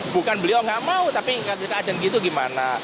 bukan beliau nggak mau tapi jika ada gitu gimana